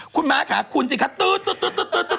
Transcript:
คุณม้าขาคุณสิคะตื๊ดตื๊ดตื๊ดตื๊ดตื๊ดตื๊ด